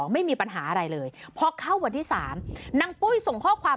ไม่มีปัญหาอะไรเลยพอเข้าวันที่๓นางปุ้ยส่งข้อความ